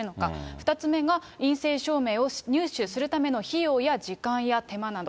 ２つ目が、陰性証明を入手するための費用や時間や手間など。